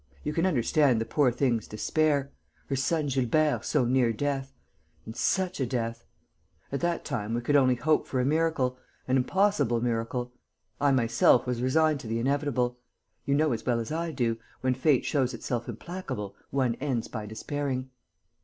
You can understand the poor thing's despair.... Her son Gilbert so near death.... And such a death!... At that time we could only hope for a miracle ... an impossible miracle. I myself was resigned to the inevitable.... You know as well as I do, when fate shows itself implacable, one ends by despairing."